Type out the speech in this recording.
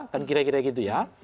kan kira kira gitu ya